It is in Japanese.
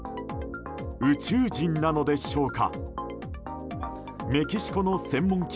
宇宙人なのでしょうか。